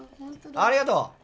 ありがとう。